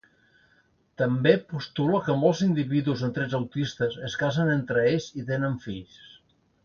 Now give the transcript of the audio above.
També postula que molts individus amb trets autistes es casen entre ells i tenen fills.